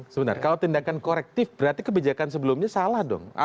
sebenarnya kalau tindakan korektif berarti kebijakan sebelumnya salah dong